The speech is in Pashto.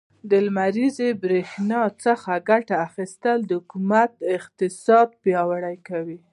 له لمريزې برښنا څخه ګټه اخيستل, د حکومت اقتصاد پياوړی کوي.